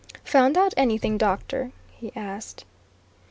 "Found out anything more, Doctor?" he asked.